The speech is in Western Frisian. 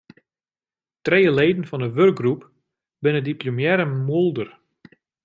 Trije leden fan de wurkgroep binne diplomearre moolder.